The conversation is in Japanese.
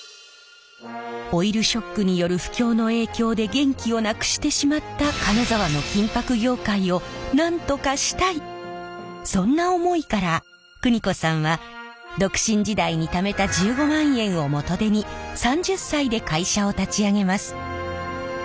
オイルショックによる不況の影響で元気をなくしてしまったそんな思いから邦子さんは独身時代にためた１５万円を元手に３０歳で会社を立ち上げます。